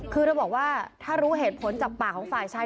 คือเธอบอกว่าถ้ารู้เหตุผลจากปากของฝ่ายชาย